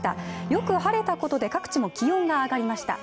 よく晴れたことで各地も気温が上がりました。